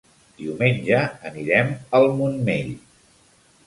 Diumenge anirem al Montmell.